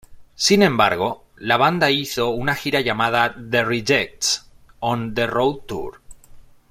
Sin embargo la banda hizo una gira llamada The Rejects on the Road tour.